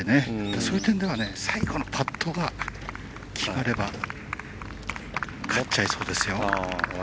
そういう点では最後のパットが決まれば勝っちゃいそうですよ。